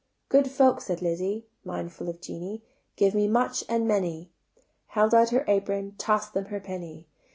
"Good folk," said Lizzie, Mindful of Jeanie: "Give me much and many: Held out her apron, Toss'd them her penny.